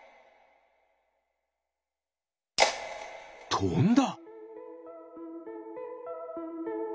とんだ。